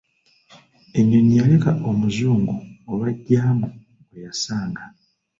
Ennyonyi yaleka omuzungu olwa jjaamu gwe yasanga.